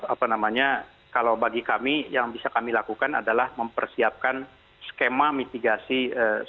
apa namanya kalau bagi kami yang bisa kami lakukan adalah mempersiapkan skema mitigasi